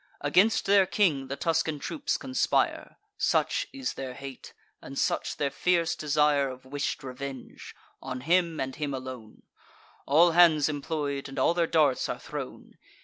Against their king the Tuscan troops conspire; Such is their hate, and such their fierce desire Of wish'd revenge: on him, and him alone, All hands employ'd, and all their darts are thrown.